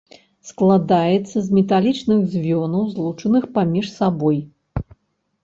Складаецца з металічных звёнаў, злучаных паміж сабой.